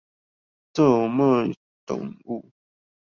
盜賣動物